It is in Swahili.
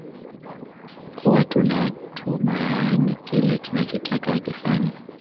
kuwa tuna watuma yaani kile tunachotaka wakifanye